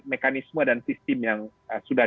mekanisme dan sistem yang sudah